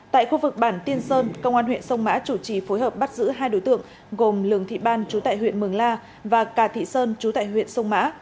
tại khu vực bản tiên sơn công an huyện sông mã chủ trì phối hợp bắt giữ hai đối tượng gồm lường thị ban chú tại huyện mường la và cà thị sơn chú tại huyện sông mã